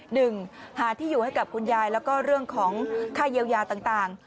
หนึ่งหาที่อยู่ให้กับคุณยายแล้วก็เรื่องของค่าเยียวยาต่าง